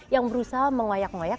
yang berusaha mengwayak ngwayak